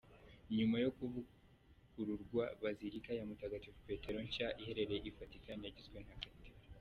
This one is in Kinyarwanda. Nyuma yo kuvugururwa, Bazilika ya Mutagatifu Petero nshya, iherereye I Vatican yagizwe ntagatifu.